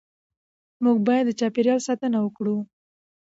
موږ باید د چاپېریال ساتنه وکړو